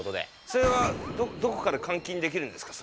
それはどこかで換金できるんですか？